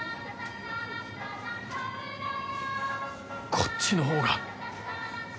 こっちのほうが。